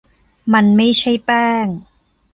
มันไม่ใช่แป้ง